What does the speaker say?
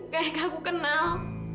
kayak yang aku kenal